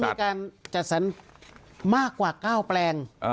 มีการจัดสรรมากกว่า๙แปลง